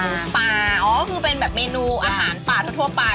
เปล่าอ๋อก็คือเป็นแบบเมนูอาหารป่าทั่วไป